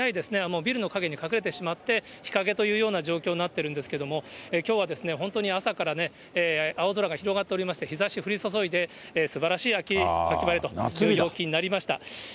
もうビルの陰に隠れてしまって、日陰というような状況になってるんですけども、きょうはですね、本当に朝から青空が広がっておりまして、日ざし降り注いで、すばらしい秋晴れという陽気になりました。